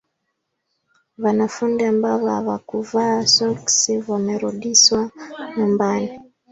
Vanafundi ambavo havakuvaa sokisi vamerudiswa numbani